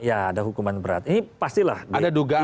ya ada hukuman berat ini pastilah ada dugaan